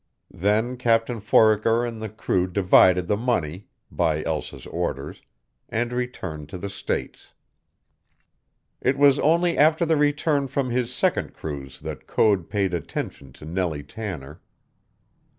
Then Captain Foraker and the crew divided the money (by Elsa's orders), and returned to the States. It was only after the return from his second cruise that Code paid attention to Nellie Tanner.